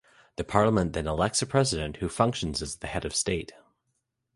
The parliament then elects a president, who functions as the head of state.